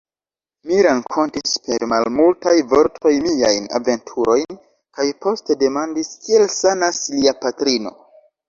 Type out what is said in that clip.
Mi rankontis per malmultaj vortoj miajn aventurojn kaj poste demandis, kiel sanas lia patrino.